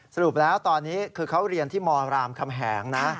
สรุปแล้วตอนนี้คือเขาเรียนที่มรามคำแหงนะ